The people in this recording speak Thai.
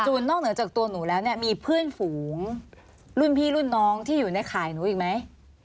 นอกเหนือจากตัวหนูแล้วเนี่ยมีเพื่อนฝูงรุ่นพี่รุ่นน้องที่อยู่ในข่ายหนูอีกไหม